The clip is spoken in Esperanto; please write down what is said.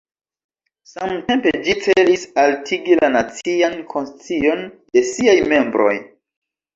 Samtempe ĝi celis altigi la nacian konscion de siaj membroj.